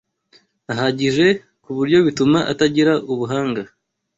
ahagije ku buryo bituma atagira ubuhanga